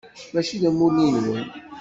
Mačči d amulli-nwen.